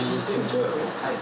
はい。